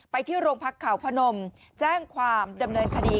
ที่โรงพักเขาพนมแจ้งความดำเนินคดี